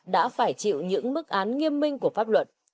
đã phải chịu những mức án nghiêm minh của pháp luật